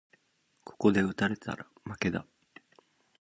ここで打たれたら負けだ